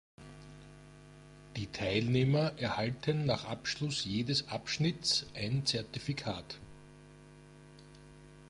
Die Teilnehmer erhalten nach Abschluss jedes Abschnitts ein Zertifikat.